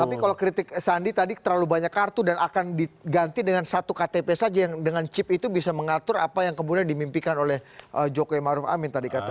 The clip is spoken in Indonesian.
tapi kalau kritik sandi tadi terlalu banyak kartu dan akan diganti dengan satu ktp saja yang dengan chip itu bisa mengatur apa yang kemudian dimimpikan oleh jokowi maruf amin tadi katanya